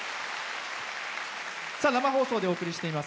生放送でお送りしています